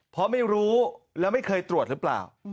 เพราะไม่รู้แล้วไม่เคยตรวจหรือเปล่า